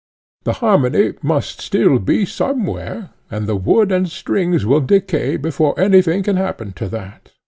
The harmony must still be somewhere, and the wood and strings will decay before anything can happen to that.